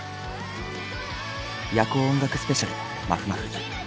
「夜光音楽スペシャルまふまふ」。